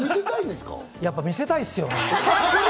やっぱ見せたいっすよね。